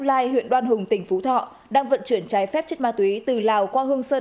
lai huyện đoan hùng tỉnh phú thọ đang vận chuyển trái phép chất ma túy từ lào qua hương sơn